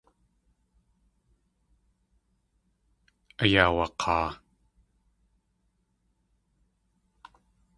Akaawak̲aa.